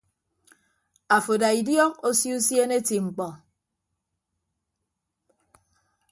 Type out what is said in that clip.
Afo ada idiọk osio usiene eti mkpọ.